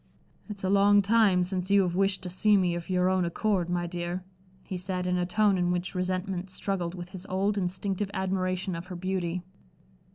"It's a long time since you have wished to see me of your own accord, my dear," he said, in a tone in which resentment struggled with his old, instinctive admiration of her beauty.